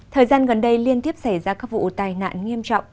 thời gian gần đây liên tiếp xảy ra các vụ tai nạn nghiêm trọng